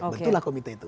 betul lah komite itu